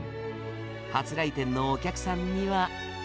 初来店のお客さんには。